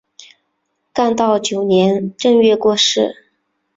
干道九年正月过世。